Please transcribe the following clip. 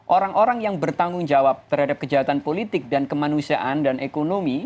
orang orang yang bertanggung jawab terhadap kejahatan politik dan kemanusiaan dan ekonomi